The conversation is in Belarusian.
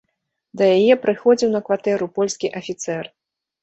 Да яе прыходзіў на кватэру польскі афіцэр.